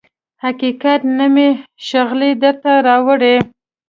حقیقت نه مې شغلې درته راوړي